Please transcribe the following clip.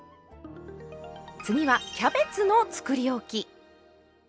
次はキャベツのつくりおき。